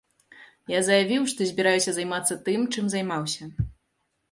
Я заявіў, што збіраюся займацца тым, чым займаўся.